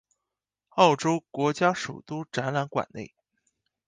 澳洲国家首都展览馆内。